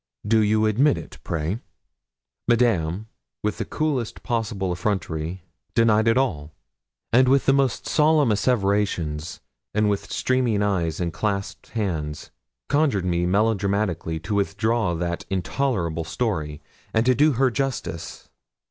Do you admit it, pray?' Madame, with the coolest possible effrontery, denied it all; with the most solemn asseverations, and with streaming eyes and clasped hands, conjured me melodramatically to withdraw that intolerable story, and to do her justice.